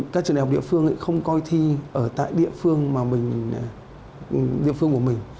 các trường đại học địa phương không coi thi ở tại địa phương của mình